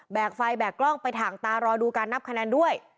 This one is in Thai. ไฟแบกกล้องไปถ่างตารอดูการนับคะแนนด้วย